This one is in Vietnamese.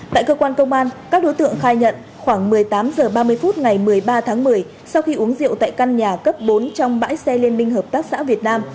tại cơ quan công an các đối tượng khai nhận khoảng một mươi tám h ba mươi phút ngày một mươi ba tháng một mươi sau khi uống rượu tại căn nhà cấp bốn trong bãi xe liên minh hợp tác xã việt nam